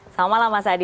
selamat malam mas adi